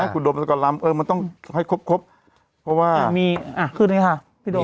คุณโดมประกอบรามเออมันต้องให้ครบครบเพราะว่ามีอ่ะขึ้นเลยค่ะพี่โดม